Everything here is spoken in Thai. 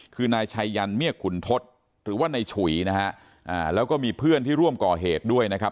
คือนายชัยยันเมียกขุนทศหรือว่านายฉุยนะฮะแล้วก็มีเพื่อนที่ร่วมก่อเหตุด้วยนะครับ